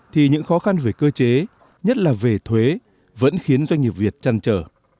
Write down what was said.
thì những khó khăn về cơ chế nhất là về thuế vẫn khiến doanh nghiệp việt chăn trở